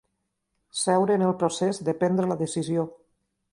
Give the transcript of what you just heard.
Seure en el procés de prendre la decisió.